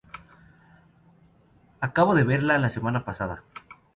Acabo de verla la semana pasada.